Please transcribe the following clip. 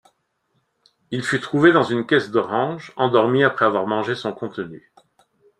Il fut trouvé dans une caisse d'oranges, endormi après avoir mangé son contenu.